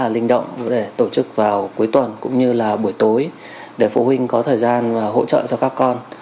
linh động để tổ chức vào cuối tuần cũng như là buổi tối để phụ huynh có thời gian hỗ trợ cho các con